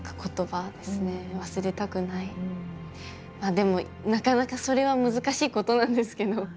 でもなかなかそれは難しいことなんですけど。